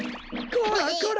こらこら！